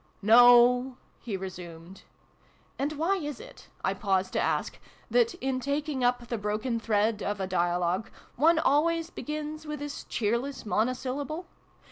" No," he resumed and zv/ty is it, I pause to ask, that, in taking up the broken thread of a dialogue, one always begins with this cheerless monosyl lable